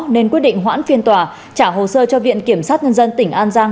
nên quyết định hoãn phiên tòa trả hồ sơ cho viện kiểm sát nhân dân tỉnh an giang